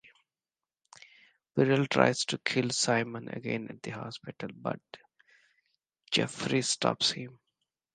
Burrell tries to kill Simon again at the hospital, but Jeffries stops him.